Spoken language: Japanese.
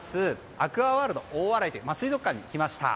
アクアワールド大洗という水族館に来ました。